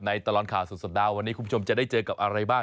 ในตลลอนข่าวสดดาววันนี้คุณผู้ชมจะได้เจอกับอะไรบ้าง